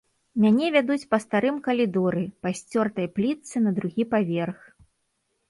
Мяне вядуць па старым калідоры, па сцёртай плітцы на другі паверх.